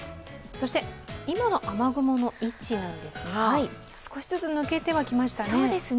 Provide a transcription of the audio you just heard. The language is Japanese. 今の雨雲の位置なんですが、少しずつ抜けてはきましたね。